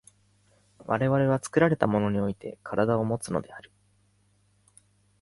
我々は作られたものにおいて身体をもつのである。